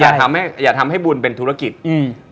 อย่าทำให้อย่าทำให้บุญเป็นธุรกิจอืม